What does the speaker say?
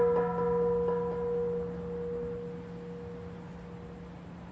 โบราณ